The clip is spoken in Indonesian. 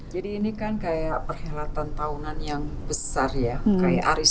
jadi ini kan kayak perhelatan tahunan yang besar ya kayak arisan